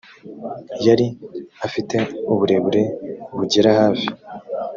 yari afite uburebure bugera hafi